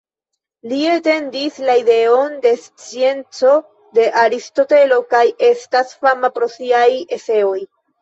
Li etendis la ideon de scienco de Aristotelo kaj estas fama pro siaj eseoj.